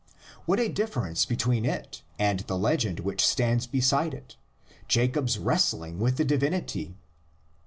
What a difference between it and the legend which stands beside it, Jacob's wrestling with the divinity!